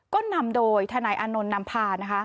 ก็นำโดยทนายอานนท์นำพานะคะ